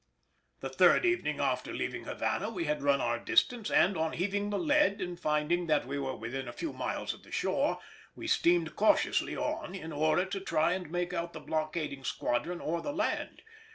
The third evening after leaving Havana we had run our distance, and, on heaving the lead and finding that we were within a few miles of the shore, we steamed cautiously on in order to try and make out the blockading squadron or the land.